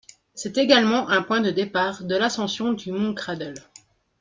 C'est également un point de départ de l'ascension du Mont Cradle.